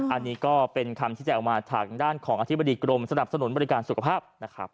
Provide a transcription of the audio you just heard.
อันนี้ก็เป็นคำที่แจ้งออกมาทางด้านของอธิบดีกรมสนับสนุนบริการสุขภาพนะครับ